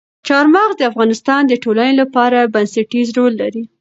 چار مغز د افغانستان د ټولنې لپاره بنسټيز رول لري.